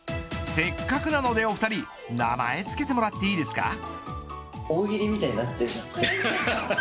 せっかくなのでお二人名前つけてもらっていいですか。